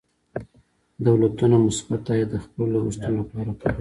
دولتونه مثبت عاید د خپلو لګښتونو لپاره کاروي.